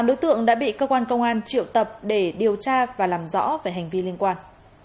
tám đối tượng đã bị cơ quan công an triệu tập để điều tra và làm rõ về hành vi liên quan